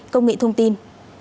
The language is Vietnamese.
công nghệ thông tin